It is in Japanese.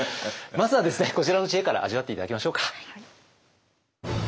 まずはですねこちらの知恵から味わって頂きましょうか。